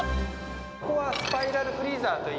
ここはスパイラルフリーザー